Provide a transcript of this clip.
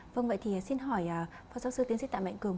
vâng vậy thì xin hỏi phát giáo sư tiến sĩ tạm bệnh cường